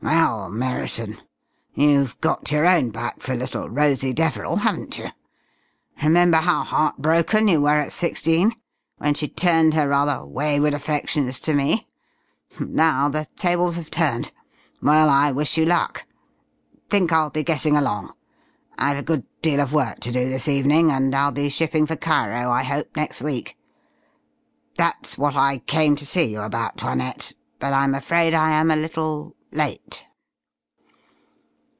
"Well, Merriton, you've got your own back for little Rosie Deverill, haven't you? Remember how heart broken you were at sixteen, when she turned her rather wayward affections to me? Now the tables have turned. Well, I wish you luck. Think I'll be getting along. I've a good deal of work to do this evening, and I'll be shipping for Cairo, I hope, next week. That's what I came to see you about 'Toinette, but I'm afraid I am a little late."